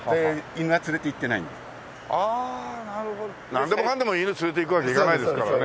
なんでもかんでも犬連れていくわけにいかないですからね。